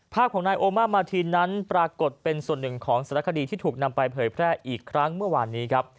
ภาพของนายโอมามาทีนนั้นปรากฏเป็นส่วนหนึ่งของสารคดีที่ถูกนำไปเผยแพร่อีกครั้งเมื่อวานนี้ครับ